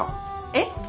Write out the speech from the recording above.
えっ？